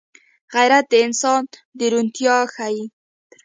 غیرت د انسان درونتيا ښيي